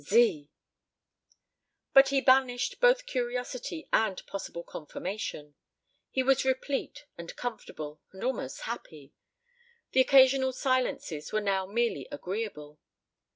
Z! But he banished both curiosity and possible confirmation. He was replete and comfortable, and almost happy. The occasional silences were now merely agreeable.